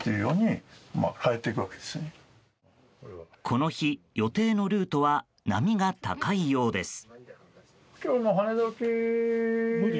この日、予定のルートは波が高いようです。